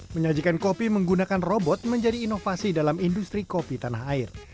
menyajikan kopi menggunakan robot menjadi inovasi dalam industri kopi tanah air